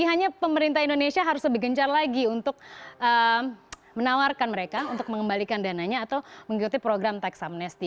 jadi hanya pemerintah indonesia harus lebih gencar lagi untuk menawarkan mereka untuk mengembalikan dananya atau mengikuti program tax amnesty